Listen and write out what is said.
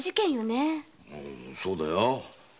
そうだよ。